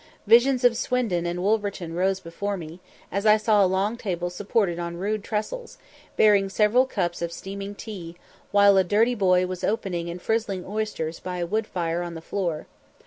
Visions of Swindon and Wolverton rose before me, as I saw a long table supported on rude trestles, bearing several cups of steaming tea, while a dirty boy was opening and frizzling oysters by a wood fire on the floor.